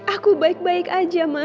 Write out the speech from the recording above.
aku baik baik aja ma